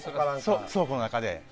倉庫の中で。